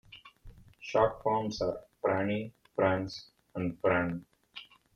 Short forms are Frannie, Frans and Fran.